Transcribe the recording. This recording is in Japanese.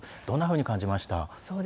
どんなふうに感じました？